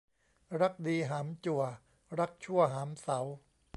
รักดีหามจั่ว รักชั่วหามเสา